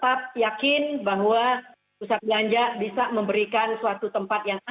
kami tetap yakin bahwa pusat belanja bisa memberikan kepentingan yang sangat besar